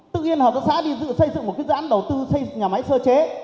tự nhiên hợp tác xã đi xây dựng một dự án đầu tư xây nhà máy sơ chế